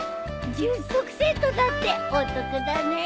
１０足セットだってお得だね。